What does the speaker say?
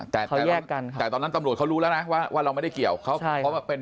แต่แต่ตอนนั้นตำรวจเขารู้แล้วนะว่าเราไม่ได้เกี่ยวเขาเพราะว่าเป็น